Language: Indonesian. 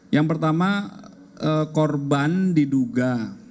yang pertama korban diduga